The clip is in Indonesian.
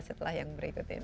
setelah yang berikut ini